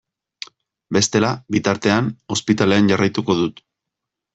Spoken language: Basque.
Bestela, bitartean, ospitalean jarraituko dut.